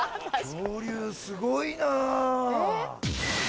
恐竜すごいな。